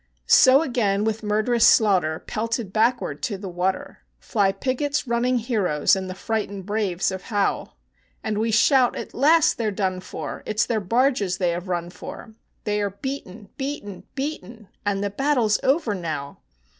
So again, with murderous slaughter, pelted backwards to the water, Fly Pigot's running heroes and the frightened braves of Howe; And we shout, "At last they're done for, it's their barges they have run for: They are beaten, beaten, beaten; and the battle 's over now!"